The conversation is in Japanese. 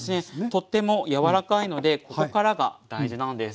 とっても柔らかいのでここからが大事なんです。